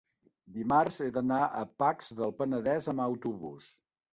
dimarts he d'anar a Pacs del Penedès amb autobús.